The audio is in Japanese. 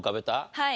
はい。